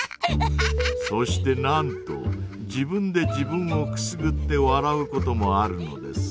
そしてなんと自分で自分をくすぐって笑うこともあるのです。